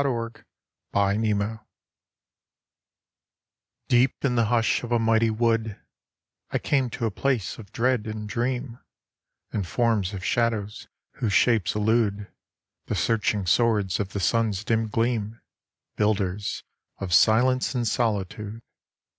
THE FOREST OF SHADOWS Deep in the hush of a mighty wood I came to a place of dread and dream, And forms of shadows, whose shapes elude The searching swords of the sun's dim gleam, Builders of silence and solitude.